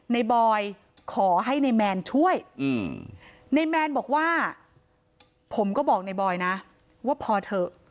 บอยขอให้นายแมนช่วยในแมนบอกว่าผมก็บอกในบอยนะว่าพอเถอะ